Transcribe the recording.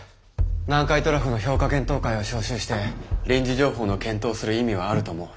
南海トラフの評価検討会を招集して臨時情報の検討をする意味はあると思う。